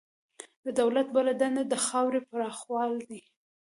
د دولت بله دنده د خاورې پراخول وو.